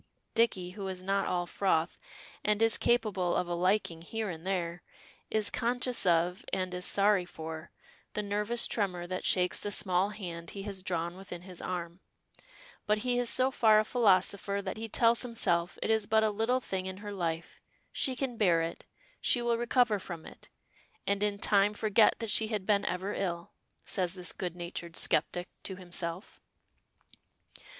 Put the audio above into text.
Dicky, who is not all froth, and is capable of a liking here and there, is conscious of, and is sorry for, the nervous tremor that shakes the small hand he has drawn within his arm; but he is so far a philosopher that he tells himself it is but a little thing in her life; she can bear it; she will recover from it; "and in time forget that she had been ever ill," says this good natured skeptic to himself.